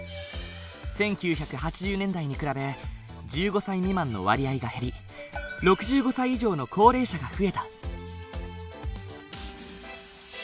１９８０年代に比べ１５歳未満の割合が減り６５歳以上の高齢者が増えた。